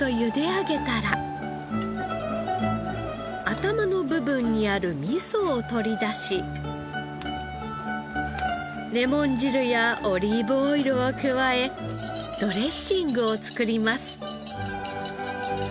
頭の部分にある味噌を取り出しレモン汁やオリーブオイルを加えドレッシングを作ります。